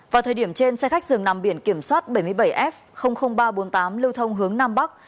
vào thời điểm trên xe khách dừng nằm biển kiểm soát bảy mươi bảy f ba trăm bốn mươi tám lưu thông hướng nam bắc